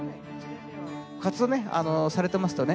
活動ねされてますとね